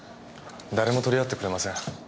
誰も取り合ってくれません。